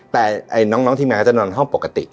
แต่น้องทีมงานเขาจะนอนห้องปกติ